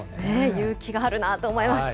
勇気があるなと思います。